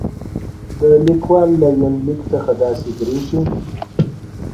د ليکوال له يونليک څخه داسې برېښي